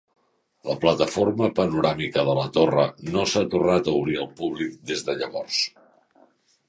La plataforma panoràmica de la torre no s'ha tornat a obrir al públic des de llavors.